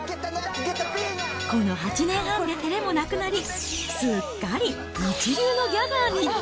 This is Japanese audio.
この８年半でてれもなくなり、すっかり一流のギャガーに。